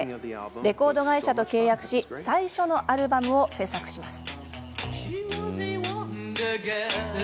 レコード会社と契約し最初のアルバムを制作します。